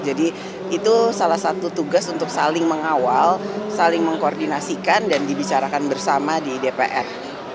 jadi itu salah satu tugas untuk saling mengawal saling mengkoordinasikan dan dibicarakan bersama di dpr